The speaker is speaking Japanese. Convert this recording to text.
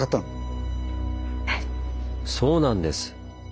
そうなんです。